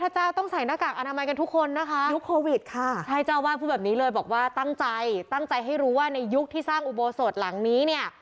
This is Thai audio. ใช่เจ้าวาดพูดแบบนี้เลยบอกว่าตั้งใจตั้งใจให้รู้ว่าในยุคที่สร้างอุโบสถหลังนี้เนี่ย